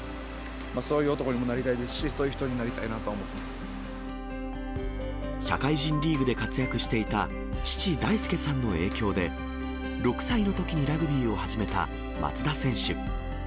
そういう男にもなりたいですし、そういう人になりたいなとは思っ社会人リーグで活躍していた父、大輔さんの影響で、６歳のときにラグビーを始めた松田選手。